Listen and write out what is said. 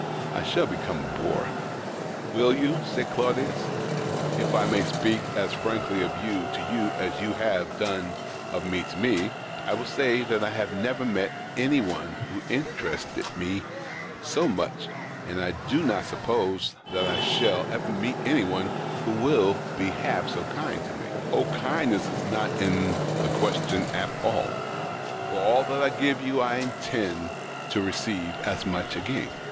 I shall become a bore." " Will you ?" said Claudius. "If I may speak as frankly of you to you as you have done of me to me, I will say that I have never met any one w^ho interested me so much, and I do not suppose that I shall THE OCTAVE OF CLAUDIUS. 57 ever meet any one wlio will be half so kind to me." " Oh, kindness is not in the question at all. For all that I give you, I intend to receive as much again.